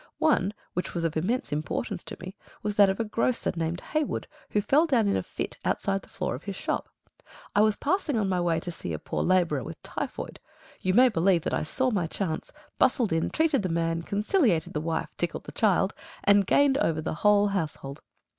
One (which was of immense importance to me) was that of a grocer named Haywood, who fell down in a fit outside the floor of his shop. I was passing on my way to see a poor labourer with typhoid. You may believe that I saw my chance, bustled in, treated the man, conciliated the wife, tickled the child, and gained over the whole household.